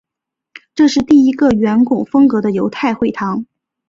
这是第一个圆拱风格的犹太会堂。